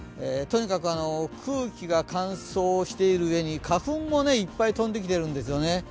とにかく空気が乾燥しているうえに花粉もいっぱい飛んできてるんですよね。